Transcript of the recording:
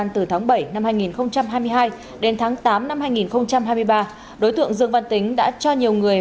từ tháng bảy năm hai nghìn hai mươi hai đến tháng tám năm hai nghìn hai mươi ba đối tượng dương văn tính đã cho nhiều người